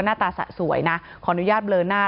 หน้าตาสะสวยนะขออนุญาตเบลอหน้า